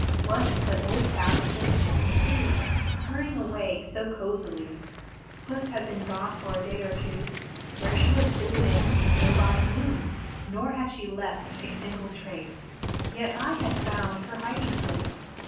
What, but old Tab with her kittens three Purring away so cozily. Puss had been gone for a day or two, Where she was visiting nobody knew; Nor had she left a single trace. Yet I had found her hiding place.